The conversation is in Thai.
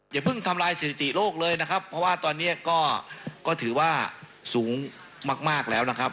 อย่าเพิ่งทำลายสถิติโลกเลยนะครับเพราะว่าตอนนี้ก็ถือว่าสูงมากแล้วนะครับ